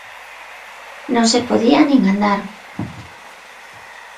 Non se podía nin andar.